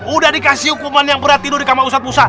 udah dikasih hukuman yang berat tidur di kamar pusat